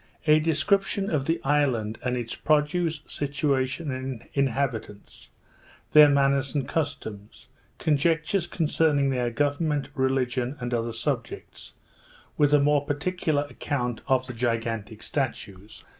_A Description of the Island, and its Produce, Situation, and Inhabitants; their Manners and Customs; Conjectures concerning their Government, Religion, and other Subjects; with a more particular Account of the gigantic Statues.